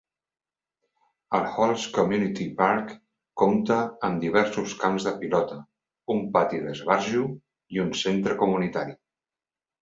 El Halls Community Park compta amb diversos camps de pilota, un pati d'esbarjo i un centre comunitari.